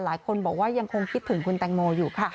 หลายคนบอกว่ายังคงคิดถึงคุณแตงโมอยู่ค่ะ